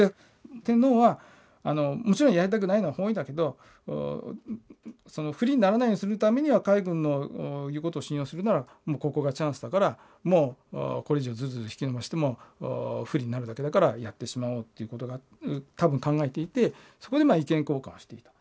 天皇はもちろんやりたくないのは本意だけど不利にならないようにするためには海軍の言うことを信用するならもうここがチャンスだからもうこれ以上ずるずる引き延ばしても不利になるだけだからやってしまおうっていうことを多分考えていてそこで意見交換をしていた。